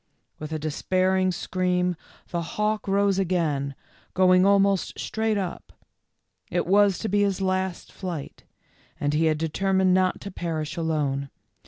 With a despairing scream the hawk rose A TERRIBLE RIDE. 107 again, going almost straight up. It was to be his last flight, and he had determined not to perish alone.